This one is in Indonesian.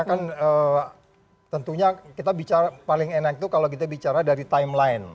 karena kan tentunya kita bicara paling enak itu kalau kita bicara dari timeline